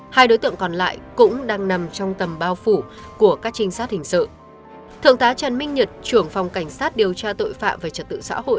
hai đối tượng còn lại cũng đang nằm trong tàu